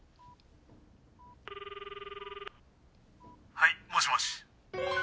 「はいもしもし？」